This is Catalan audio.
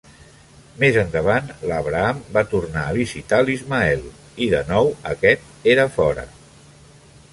Més endavant, l"Abraham va tornar a visitar l"Ismael i de nou aquest era fora.